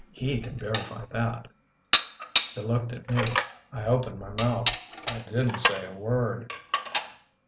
He can verify that." They looked at me. I opened my mouth. I didn't say a word.